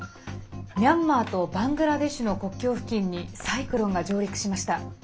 ミャンマーとバングラデシュの国境付近にサイクロンが上陸しました。